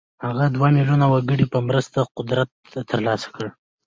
هغه د دوه ميليونه وګړو په مرسته قدرت ترلاسه کړ.